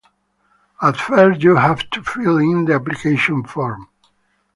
At first you have to fill in the application form.